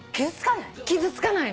傷つかない？